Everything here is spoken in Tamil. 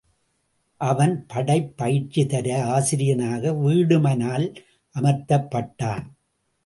அவன் படைப் பயிற்சி தர ஆசிரியனாக வீடுமனால் அமர்த்தப் பட்டான்.